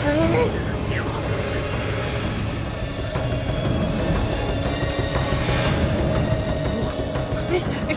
เฮ้ยไอ้ฟอย